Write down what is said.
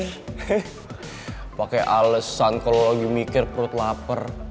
heeh pake alesan kalo lagi mikir perut laper